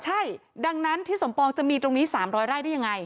ใช่ดังนั้นทิศสมปองจะมีตรงนี้๓๐๐ไร่ได้ยังไง